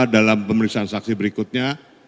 dalam pemeriksaan saksi berikutnya